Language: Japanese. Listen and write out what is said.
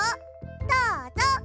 どうぞ。